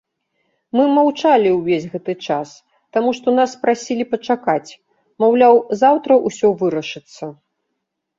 Мы маўчалі ўвесь гэты час, таму што нас прасілі пачакаць, маўляў, заўтра ўсё вырашыцца.